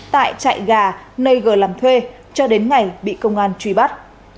tại chạy gà nơi g làm thuê cho đến ngày bị công an truy bắt